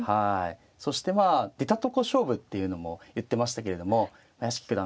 そしてまあ出たとこ勝負っていうのも言ってましたけれども屋敷九段